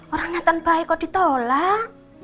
orang natan baik kok ditolak